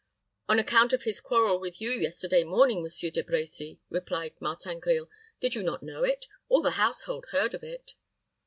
"On account of his quarrel with you yesterday morning. Monsieur De Brecy," replied Martin Grille. "Did you not know it? All the household heard of it."